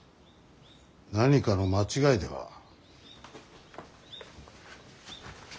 何かの間違いでは。